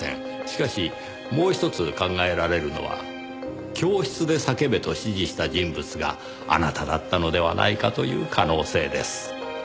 しかしもうひとつ考えられるのは教室で叫べと指示した人物があなただったのではないかという可能性です。